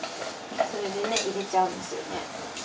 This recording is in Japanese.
それでね入れちゃうんですよね